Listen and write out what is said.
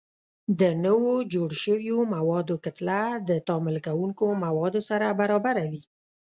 د نوو جوړ شویو موادو کتله د تعامل کوونکو موادو سره برابره وي.